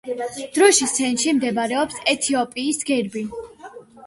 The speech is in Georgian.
დროშის ცენტრში მდებარეობს ეთიოპიის გერბი.